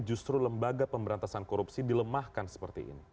justru lembaga pemberantasan korupsi dilemahkan seperti ini